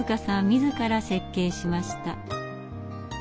自ら設計しました。